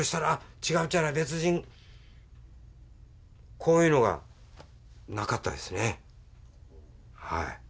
こういうのがなかったですねはい。